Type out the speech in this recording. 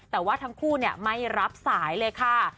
แต่ว่าทั้งคู่ไม่รับสายเลยค่ะ